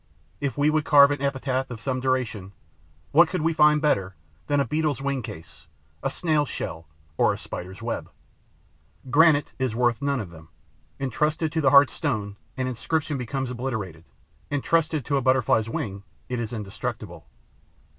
If we would carve an epitaph of some duration, what could we find better than a Beetle's wing case, a Snail's shell or a Spider's web? Granite is worth none of them. Entrusted to the hard stone, an inscription becomes obliterated; entrusted to a Butterfly's wing, it is indestructible.